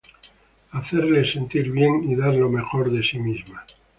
Hacerle sentir bien, y dar lo mejor de sí misma.